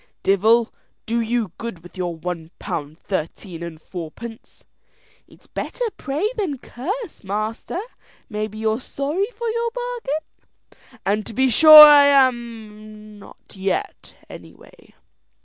"Divel do you good with your one pound thirteen and fourpence!" "It's better pray than curse, master. Maybe you're sorry for your bargain?" "And to be sure I am not yet, any way."